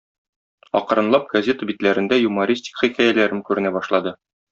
Акрынлап газета битләрендә юмористик хикәяләрем күренә башлады.